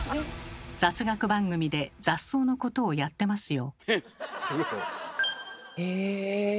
雑学番組で雑草のことをやってますよ。